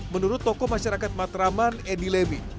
menurut tokoh masyarakat matraman edi levi